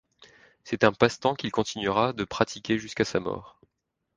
C'est un passe-temps qu’il continuera de pratiquer jusqu’à sa mort.